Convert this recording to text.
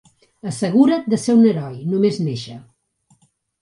Assegura't de ser un heroi només néixer!